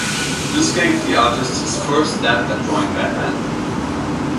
This gave the artist his "first stab at drawing "Batman".